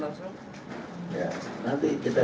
dari situ nanti akan bisa kita berkembang